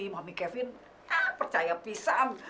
mami kevin percaya pisang